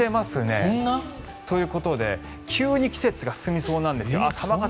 そんな？ということで急に季節が進みそうなんです。